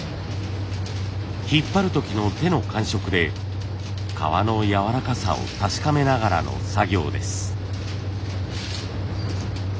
引っ張る時の手の感触で革のやわらかさを確かめながらの作業です。